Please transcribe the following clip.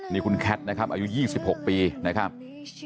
นี่คุณแคทนะครับอายุ๒๖ปีนะครับ